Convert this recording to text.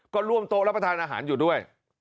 ก็ร่วมโต๊ะรับประทานอาหารอยู่ด้วย